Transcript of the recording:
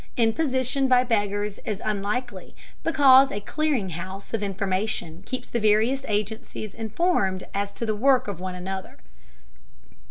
Imposition by beggars is unlikely, because a clearing house of information keeps the various agencies informed as to the work of one another.